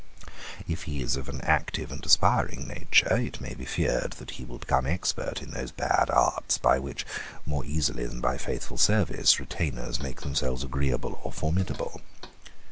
If he is of an active and aspiring nature, it may be feared that he will become expert in those bad arts by which, more easily than by faithful service, retainers make themselves agreeable or formidable.